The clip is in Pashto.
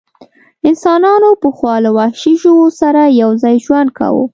انسانانو پخوا له وحشي ژوو سره یو ځای ژوند کاوه.